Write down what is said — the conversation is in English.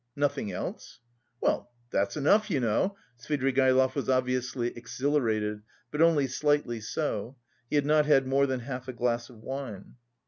"Nothing else?" "Well, that's enough, you know," Svidrigaïlov was obviously exhilarated, but only slightly so, he had not had more than half a glass of wine.